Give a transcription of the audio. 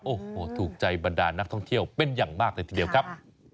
โอ้โหถูกใจบรรดานักท่องเที่ยวเป็นอย่างมากเลยทีเดียวครับ